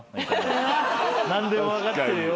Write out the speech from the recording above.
「何でも分かってるよ